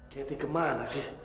katie kemana sih